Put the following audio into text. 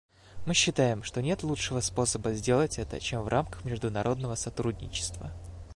Мы считаем, что нет лучшего способа сделать это, чем в рамках международного сотрудничества.